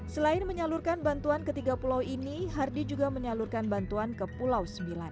selain menyalurkan bantuan ketiga pulau ini hardi juga menyalurkan bantuan ke pulau sembilan